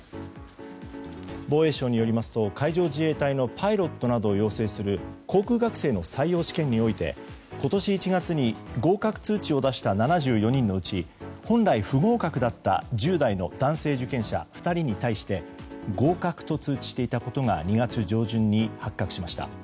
防衛省によりますと海上自衛隊のパイロットなどを養成する航空学生の採用試験において今年１月に合格通知を出した７４人のうち本来、不合格だった１０代の男性受験者２人に対して合格と通知していたことが２月上旬に発覚しました。